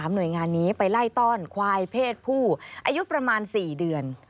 หน่วยงานนี้ไปไล่ต้อนควายเพศผู้อายุประมาณ๔เดือน